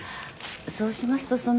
そうしますとそのう。